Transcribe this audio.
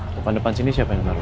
bukan depan sini siapa yang naruh